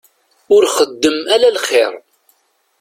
Ur xeddem ala lxir.